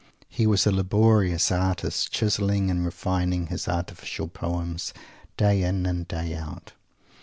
He was a laborious artist, chiselling and refining his "artificial" poems, day in and day out.